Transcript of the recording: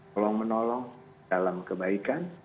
tolong menolong dalam kebaikan